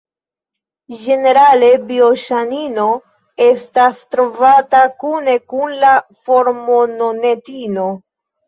Ĝenerale bioŝanino estas trovata kune kun la formononetino.